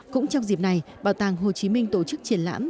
cũng trong dịp này bảo tàng hồ chí minh tổ chức triển lãm